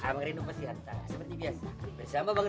mungkin kau terlahir